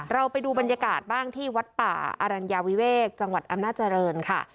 เราไปดูบรรยากาศบ้างที่วัดป่าอรัญญาวิเวกจังหวัดอำนาจริงค่ะ